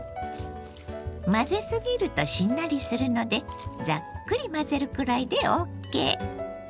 混ぜすぎるとしんなりするのでザックリ混ぜるくらいでＯＫ。